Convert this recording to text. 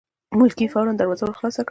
ملکې فوراً دروازه ور خلاصه کړه.